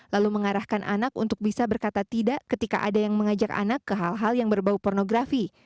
lalu mengarahkan anak untuk bisa berkata tidak ketika ada yang mengajak anak ke hal hal yang berbau pornografi